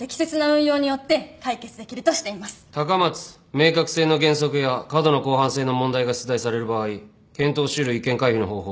明確性の原則や過度の広範性の問題が出題される場合検討し得る違憲回避の方法は？